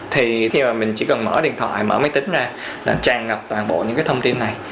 thì khi mà mình chỉ cần mở điện thoại mở máy tính ra là tràn ngập toàn bộ những cái thông tin này